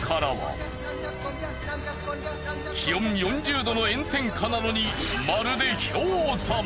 気温４０℃の炎天下なのにまるで氷山。